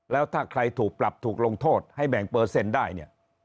แล้วถ้าใครถูกปรับถูกลงโทษให้แบ่งเปอร์เซ็นต์ได้เนี่ย